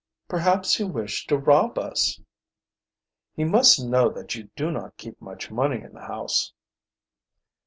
"Perhaps he wished to rob us." "He must know that you do not keep much money in the house."